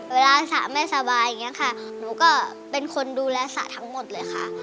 เวลาสระไม่สบายอย่างนี้ค่ะหนูก็เป็นคนดูแลสระทั้งหมดเลยค่ะ